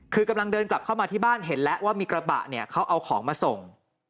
คือกำลังเดินกลับเข้ามาที่บ้านเห็นแล้วว่ามีกระบะเนี่ยเขาเอาของมาส่ง